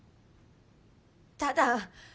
ただ。